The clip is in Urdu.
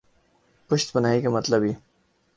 پشت پناہی کامطلب ہے۔